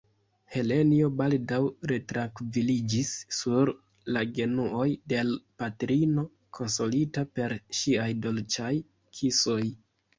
Helenjo baldaŭ retrankviliĝis sur la genuoj de l' patrino, konsolita per ŝiaj dolĉaj kisoj.